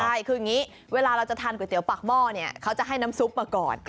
ใช่คืออย่างนี้เวลาเราจะทานก๋วยเตี๋ยปากหม้อเนี่ยเขาจะให้น้ำซุปมาก่อน